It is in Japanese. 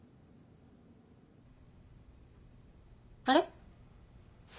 あれ？